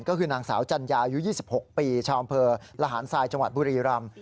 ก็คือนางสาวจัญญาอายุ๒๖ปีชาวอำเภอระหารทรายจังหวัดบุรีรำ